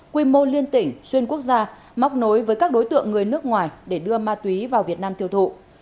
quy mô liên tỉnh xuyên quốc gia móc nối với các đối tượng người nước ngoài để đưa ma túy vào việt nam tiêu thụ